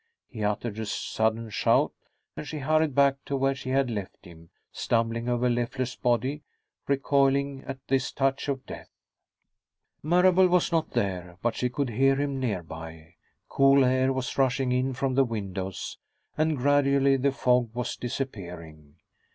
He uttered a sudden shout, and she hurried back to where she had left him, stumbling over Leffler's body, recoiling at this touch of death. Marable was not there, but she could hear him nearby. Cool air was rushing in from the windows, and gradually the fog was disappearing.